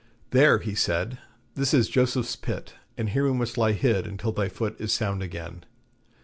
'There,' he said, 'this is Joseph's Pit, and here we must lie hid until thy foot is sound again.